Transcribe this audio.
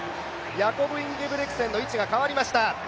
ヤコブ・インゲブリクセンの位置が変わりました。